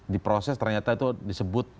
di proses ternyata itu disebut